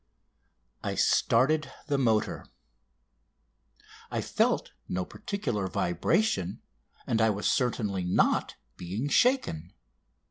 I started the motor. I felt no particular vibration, and I was certainly not being shaken.